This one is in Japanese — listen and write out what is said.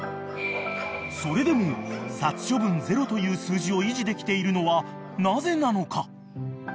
［それでも殺処分ゼロという数字を維持できているのはなぜなのか？］